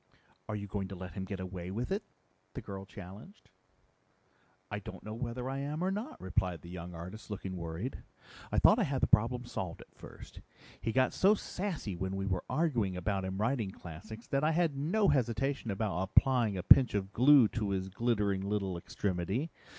"Are you going to let him get away with it?" the girl challenged. "I don't know whether I am or not," replied the young artist, looking worried. "I thought I had the problem solved at first. He got so sassy when we were arguing about him writing classics that I had no hesitation about applying a pinch of glue to his glittering little extremity.